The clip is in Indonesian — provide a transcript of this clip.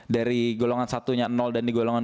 dari golongan satunya nol dan di golongan